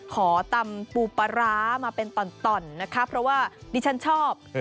ขอตำปูปลาร้ามาเป็นต่อนนะคะเพราะว่าดิฉันชอบ